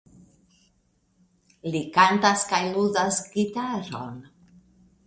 Li kantas kaj ludas gitaron.